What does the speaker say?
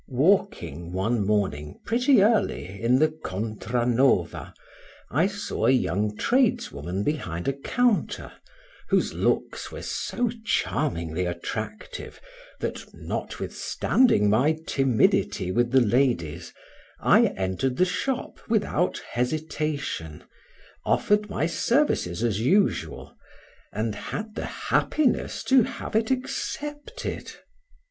Walking one morning pretty early in the 'Contra nova', I saw a young tradeswoman behind a counter, whose looks were so charmingly attractive, that, notwithstanding my timidity with the ladies, I entered the shop without hesitation, offered my services as usual: and had the happiness to have it accepted.